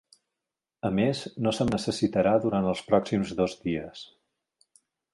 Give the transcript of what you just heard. A més, no se'm necessitarà durant els pròxims dos dies.